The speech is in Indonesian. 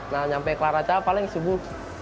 nah sampai kelar acara paling sebut